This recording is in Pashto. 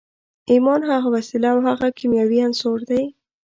ایمان هغه وسیله او هغه کیمیاوي عنصر دی